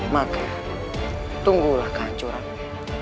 maka tunggulah kehancurannya